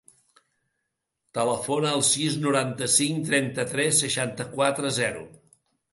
Telefona al sis, noranta-cinc, trenta-tres, seixanta-quatre, zero.